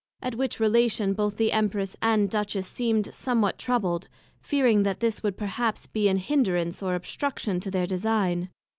At which Relation both the Empress and Duchess seemed somewhat troubled, fearing that this would perhaps be an hindrance or obstruction to their Design.